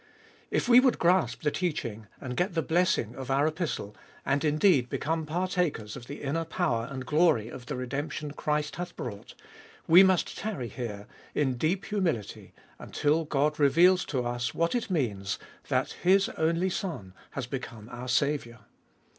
If we would grasp the teaching, and get the blessing of our Epistle, and indeed become partakers of the inner power and glory of the redemption Christ hath brought, we must tarry here in deep humility until God reveals to us what it means, that His only Son has become our Saviour.